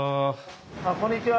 あっこんにちは。